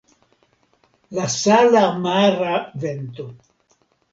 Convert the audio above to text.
La sala mara vento!